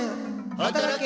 働け！